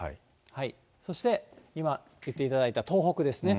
そして、今言っていただいた東北ですね。